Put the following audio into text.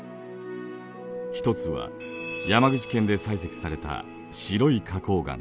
１つは山口県で採石された白い花こう岩。